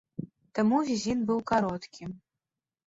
Таму візіт быў кароткім.